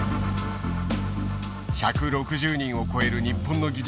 １６０人を超える日本の技術者を雇用。